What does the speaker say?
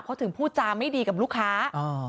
เขาถึงพูดจาไม่ดีกับลูกค้า